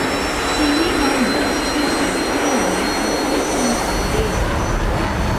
Ili manĝas ĉefe semojn, insektojn kaj berojn.